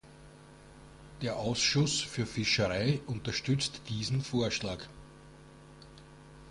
Der Ausschuss für Fischerei unterstützt diesen Vorschlag.